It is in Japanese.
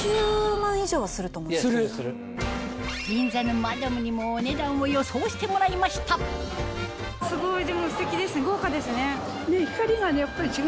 銀座のマダムにもお値段を予想してもらいましたすごい！